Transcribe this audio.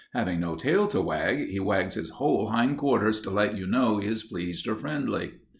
Having no tail to wag, he wags his whole hind quarters to let you know he is pleased or friendly.